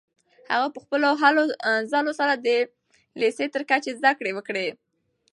هغه په خپلو هلو ځلو سره د لیسې تر کچې زده کړې وکړې.